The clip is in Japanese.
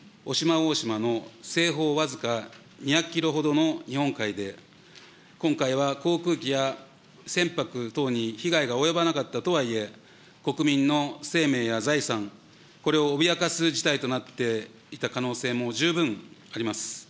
おおしまの西方僅か２００キロほどの日本海で、今回は航空機や船舶等に被害が及ばなかったとはいえ、国民の生命や財産、これを脅かす事態となっていた可能性も十分あります。